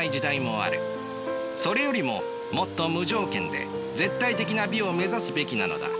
それよりももっと無条件で絶対的な美を目指すべきなのだ。